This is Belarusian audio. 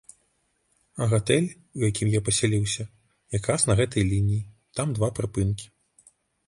А гатэль, у якім я пасяліўся, як раз на гэтай лініі, там два прыпынкі.